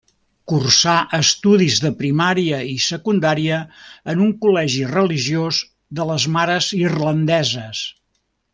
Cursà estudis de primària i secundària en un col·legi religiós de les Mares Irlandeses.